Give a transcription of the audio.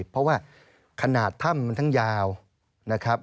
เพราะว่าขนาดถ้ำมันทั้งยาวนะครับ